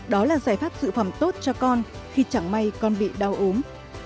đó là giải pháp sự phẩm tốt cho con khi chẳng may con bị đau ốm